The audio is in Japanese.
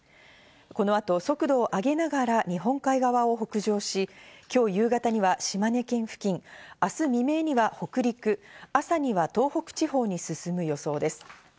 この後、速度を上げながら日本海側を北上し、今日夕方には島根県付近、明日未明には北陸、朝には東北地方に進む予想です。